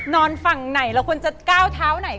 นอนฝั่งไหนเราควรจะก้าวเท้าไหน